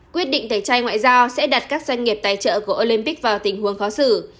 quyết định tẩy chay ngoại giao sẽ đặt các doanh nghiệp tài trợ của olympic vào tình huống khó xử